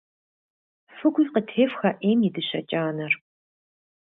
ФыкӀуи къытефх, а Ӏейм и дыщэ кӀанэр!